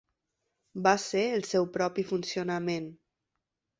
Va ser el seu propi funcionament.